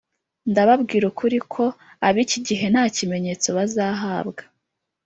Ndababwira ukuri ko ab iki gihe nta kimenyetso bazahabwa